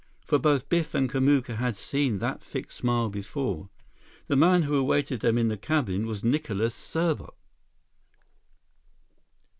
For both Biff and Kamuka had seen that fixed smile before. The man who awaited them in the cabin was Nicholas Serbot!